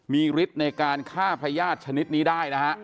มีฤทธิ์ในการฆ่าพญาติชนิดนี้ได้นะฮะ